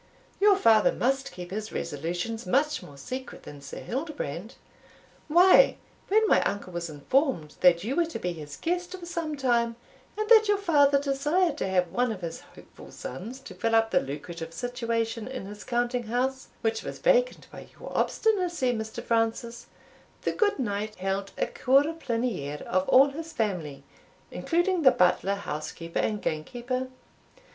your father must keep his resolutions much more secret than Sir Hildebrand. Why, when my uncle was informed that you were to be his guest for some time, and that your father desired to have one of his hopeful sons to fill up the lucrative situation in his counting house which was vacant by your obstinacy, Mr. Francis, the good knight held a cour ple'nie're of all his family, including the butler, housekeeper, and gamekeeper.